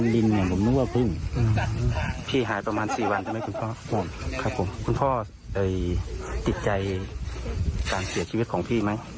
เดินหากับน้องเขาตอนนี้เห็นไหม